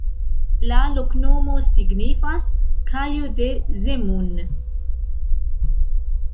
La loknomo signifas: kajo de Zemun.